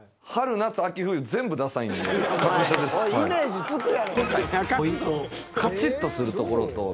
おいイメージ付くやろ。